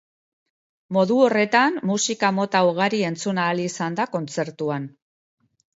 Modu horretan, musika mota ugari entzun ahal izan da kontzertuan.